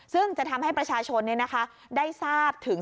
ซึ่งจะทำให้ประชาชนได้ทราบถึง